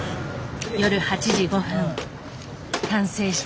夜８時５分完成した。